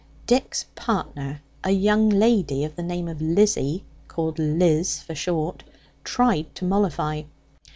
Dick's partner, a young lady of the name of Lizzy called Lizz for short tried to mollify.